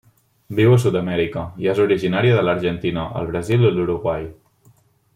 Viu a Sud-amèrica i és originària de l'Argentina, el Brasil i l'Uruguai.